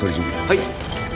はい。